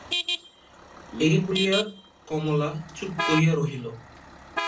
এই বলিয়া কমলা চুপ করিয়া রহিল।